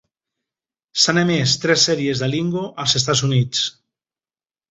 S'han emès tres sèries de Lingo als Estats Units.